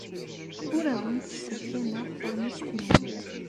Ur awent-ssefrakeɣ taṛmist-nwent.